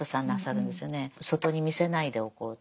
外に見せないでおこうと。